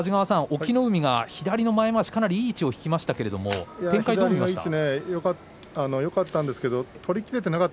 隠岐の海が左の前まわしいい位置を引きましたけれど展開はどう見ましたか。